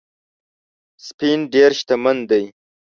سپین ډېر شتمن دی